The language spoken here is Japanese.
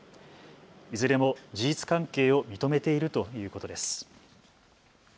いずれも事実関係を認めているということです。